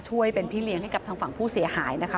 ช่วยเป็นพี่เลี้ยงให้กับทางฝั่งผู้เสียหายนะคะ